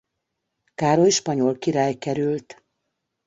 Károly spanyol király került.